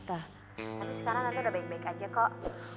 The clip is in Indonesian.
tapi sekarang anda udah baik baik aja kok